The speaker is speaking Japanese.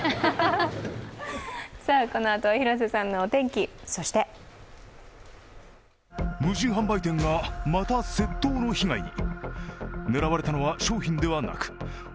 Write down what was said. このあとは広瀬さんのお天気そして無人販売店がまた窃盗の被害に。